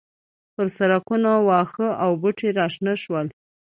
پر سړکونو واښه او بوټي راشنه شول.